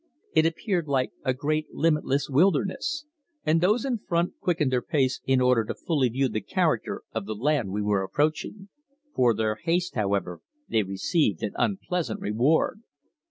It appeared like a great limitless wilderness, and those in front quickened their pace in order to fully view the character of the land we were approaching. For their haste, however, they received an unpleasant reward.